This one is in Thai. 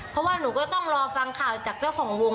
เพราะว่าหนูก็ต้องรอฟังข่าวจากเจ้าของวง